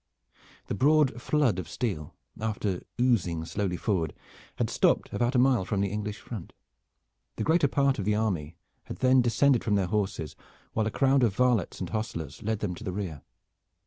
The broad flood of steel, after oozing slowly forward, had stopped about a mile from the English front. The greater part of the army had then descended from their horses, while a crowd of varlets and hostlers led them to the rear.